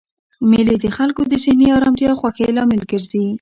مېلې د خلکو د ذهني ارامتیا او خوښۍ لامل ګرځي.